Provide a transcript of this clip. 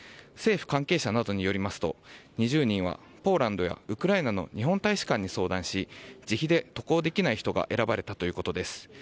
政府関係者などによりますと、２０人はポーランドやウクライナの日本大使館に相談し、自費で渡航できない人が選ばれたということです。